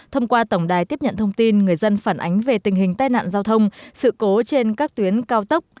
thông qua tổng đài tiếp nhận thông tin người dân phản ánh về tình hình tai nạn giao thông sự cố trên các tuyến cao tốc